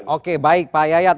oke baik pak yayat